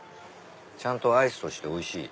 ちゃんとアイスとしておいしい。